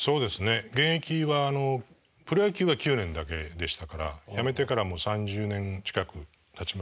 現役はプロ野球が９年だけでしたから辞めてからもう３０年近くたちますもんね。